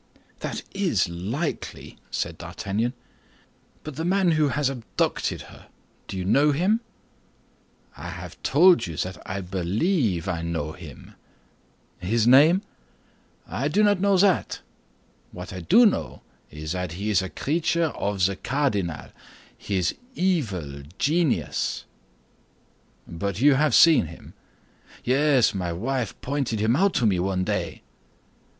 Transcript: "That is likely," said D'Artagnan; "but the man who has abducted her—do you know him?" "I have told you that I believe I know him." "His name?" "I do not know that; what I do know is that he is a creature of the cardinal, his evil genius." "But you have seen him?" "Yes, my wife pointed him out to me one day."